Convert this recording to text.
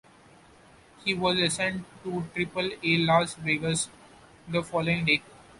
He was assigned to Triple-A Las Vegas the following day.